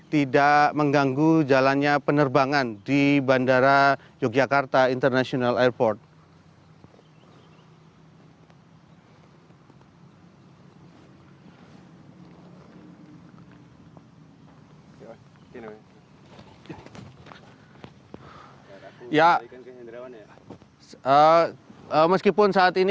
tidak mengganggu jalannya penerbangan di bandara yogyakarta international airport